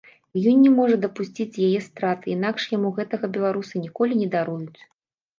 І ён не можа дапусціць яе страты, інакш яму гэтага беларусы ніколі не даруюць.